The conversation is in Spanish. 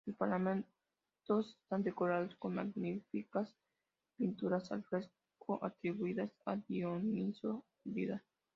Sus paramentos están decorados con magníficas pinturas al fresco, atribuidas a Dionisio Vidal.